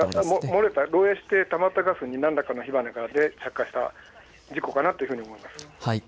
漏れた、漏えいしてたまったガスに何らかの火花で着火した事故かなと思います。